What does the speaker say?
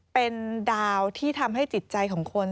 เป็นดาวที่ทำให้จิตใจของคน